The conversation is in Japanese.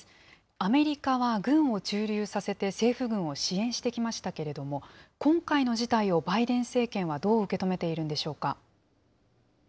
アメリカは軍を駐留させて政府軍を支援してきましたけれども、今回の事態をバイデン政権はどう受け止めているのでしょうか。